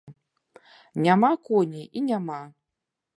Няма коней і няма.